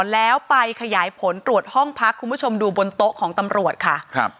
แล้วไปขยายผลตรวจห้องพักคุณผู้ชมดูบนโต๊ะของตำรวจค่ะ